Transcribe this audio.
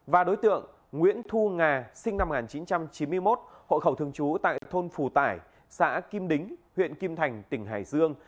và đối tượng nguyễn thu ngà sinh năm một nghìn chín trăm chín mươi một hộ khẩu thường trú tại thôn phù tải xã kim đính huyện kim thành tỉnh hải dương